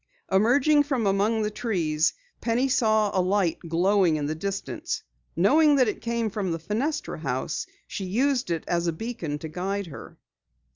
Emerging from among the trees, Penny saw a light glowing in the distance. Knowing that it came from the Fenestra house, she used it as a beacon to guide her.